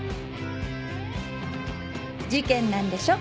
事件なんでしょ？